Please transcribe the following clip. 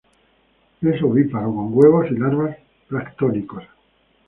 Es ovíparo, con huevos y larvas planctónicos.